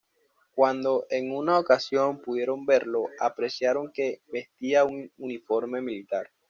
Cuando, en una ocasión, pudieron verlo, apreciaron que vestía un uniforme militar.